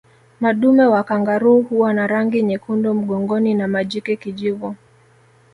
Madume wa kangaroo huwa na rangi nyekundu mgongoni na majike kijivu